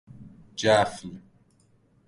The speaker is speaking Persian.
جفل